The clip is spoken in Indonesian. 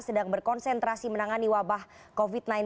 sedang berkonsentrasi menangani wabah covid sembilan belas